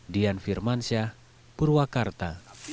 dian firmansyah purwakarta